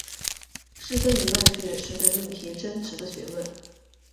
是非疑问句是对命题真值的询问。